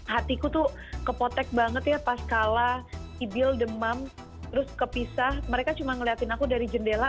hatiku tuh kepotek banget ya pas kala ibil demam terus kepisah mereka cuma ngeliatin aku dari jendela